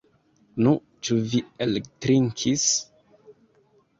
Nu, ĉu vi eltrinkis?